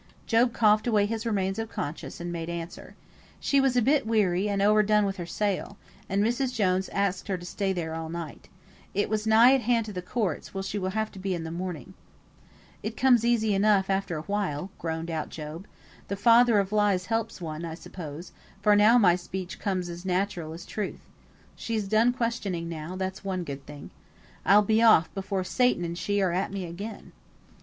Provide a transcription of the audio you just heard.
Job coughed away his remains of conscience, and made answer, "She was a bit weary, and o'er done with her sail; and Mrs. Jones axed her to stay there all night. It was nigh at hand to the courts, where she will have to be in the morning." "It comes easy enough after a while," groaned out Job. "The father of lies helps one, I suppose, for now my speech comes as natural as truth. She's done questioning now, that's one good thing. I'll be off before Satan and she are at me again."